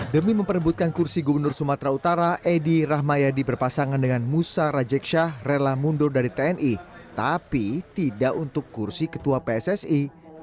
demi memperebutkan kursi gubernur sumatera utara edy rahmayadi berpasangan dengan musa rajeksyah rela mundur dari tni tapi tidak untuk kursi ketua pssi